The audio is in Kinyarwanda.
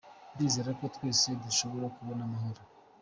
"Ndizera ko twese dushobora kubona amahoro.